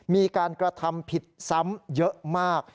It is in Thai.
มีการกระทำผิดซ้ำเยอะมาก